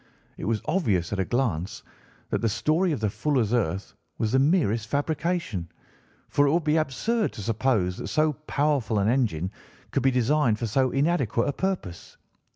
It was obvious at a glance that the story of the fuller's earth was the merest fabrication, for it would be absurd to suppose that so powerful an engine could be designed for so inadequate a purpose.